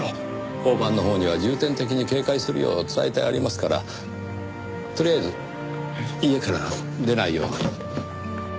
交番のほうには重点的に警戒するよう伝えてありますからとりあえず家から出ないように。